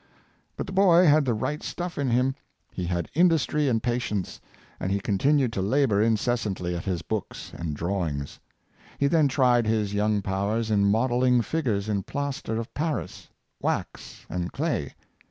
" But the boy had the right stuff in him; he had industry and patience; and he continued to labor incessantly at his books and drawings. He then tried his young powers in modelling figures in plaster of Paris, wax, and clay.